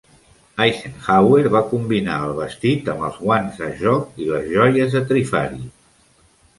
Eisenhower va combinar el vestit amb els guants a joc i les joies de Trifari.